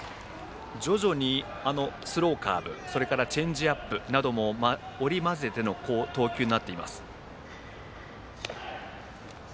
徐々にスローカーブそれからチェンジアップなども織り交ぜての投球になっています。